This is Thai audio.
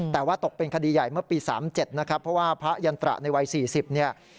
แต่ว่าตกเป็นคดีใหญ่เมื่อปี๓๗นะครับเพราะว่าพระยันตระในวัย๔๐เนี่ย